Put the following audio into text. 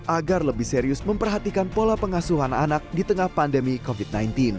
agar lebih serius memperhatikan pola pengasuhan anak di tengah pandemi covid sembilan belas